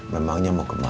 memangnya mau kembali